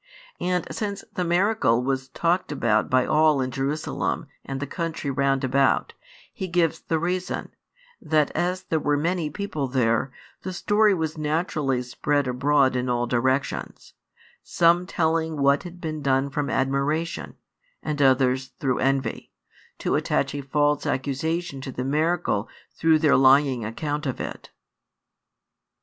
And since the miracle was talked about by all in Jerusalem and the country round about, he gives the reason, that as there were many people there, the story was naturally spread abroad in all directions; some telling what had been done from admiration, and others through envy, to attach a false accusation to the miracle through their lying account of it.